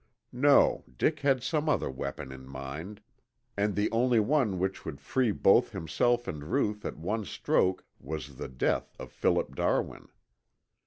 No, Dick had some other weapon in mind, and the only one which would free both himself and Ruth at one stroke was the death of Philip Darwin.